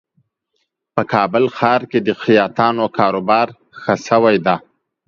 په کابل ښار کې د خیاطانو کاروبار ښه شوی دی